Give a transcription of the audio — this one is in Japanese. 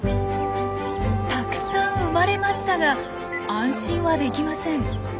たくさん生まれましたが安心はできません。